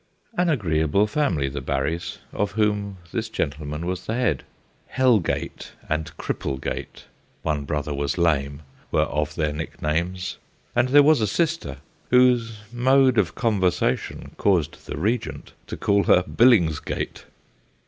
An agreeable family, the Barry s, of whom this gentleman was the head. Hellgate and Cripplegate (one brother was lame) were of their nicknames, and there was a sister whose mode of conversation caused the Regent to call her Billingsgate.